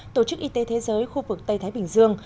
tổ chức y tế thế giới khu vực tây thái bình dương